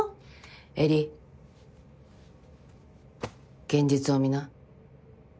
絵里現実を見な。